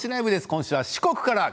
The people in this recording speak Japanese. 今週は四国からです。